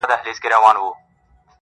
يو نه دی چي و تاته په سرو سترگو ژاړي.